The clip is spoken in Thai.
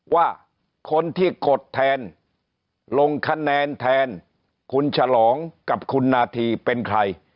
ว่าคนที่กดแทนลงคะแนนแทนคุณฉลองกับคุณนาธีเป็นใคร